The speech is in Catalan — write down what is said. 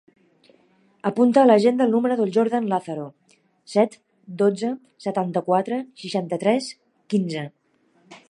Apunta a l'agenda el número del Jordan Lazaro: set, dotze, setanta-quatre, seixanta-tres, quinze.